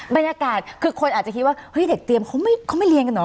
บรรยากาศคือคนอาจจะคิดว่าเฮ้ยเด็กเตรียมเขาไม่เรียนกันเหรอ